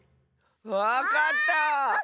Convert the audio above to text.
わかった！